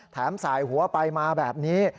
สายหัวไปมาแบบนี้